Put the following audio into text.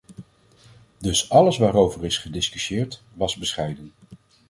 Dus alles waarover is gediscussieerd, was bescheiden.